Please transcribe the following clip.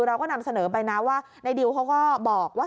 เราก็นำเสนอไปนะว่าในดิวเขาก็บอกว่า